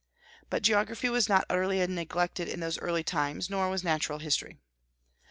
But geography was not utterly neglected in those early times, nor was natural history.